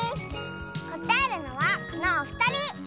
こたえるのはこのおふたり！